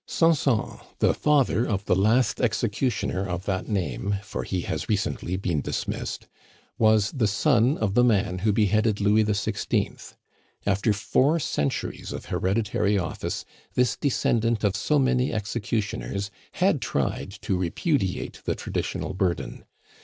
Sanson, the father of the last executioner of that name for he has recently been dismissed was the son of the man who beheaded Louis XVI. After four centuries of hereditary office, this descendant of so many executioners had tried to repudiate the traditional burden.